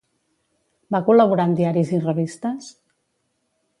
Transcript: Va col·laborar en diaris i revistes?